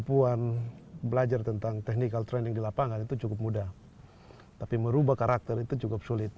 kemampuan belajar tentang technical training di lapangan itu cukup mudah tapi merubah karakter itu cukup sulit